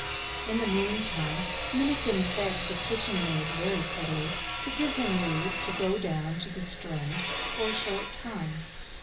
In the meantime Minnikin begged the kitchen maid very prettily to give him leave to go down to the strand for a short time.